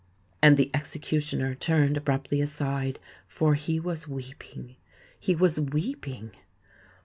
And the executioner turned abruptly aside; for he was weeping—he was weeping!